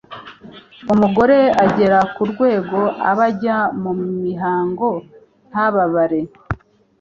umugore agera ku rwego aba ajya mu mihango ntababare